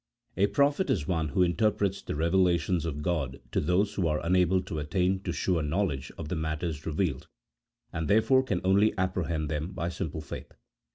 A prophet is one who interprets the revelations of God to those who are unable to attain to sure knowledge of the matters revealed, and therefore can only apprehend them by simple faith.